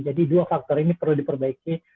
jadi dua faktor ini perlu diperbaiki